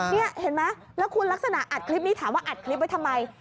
นี่เห็นไหมแล้วคุณลักษณะอัดคลิปนี้ถามว่าอัดคลิปไว้ทำไม